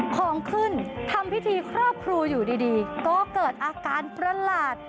ของขึ้นทำพิธีครอบครูอยู่ดีก็เกิดอาการประหลาด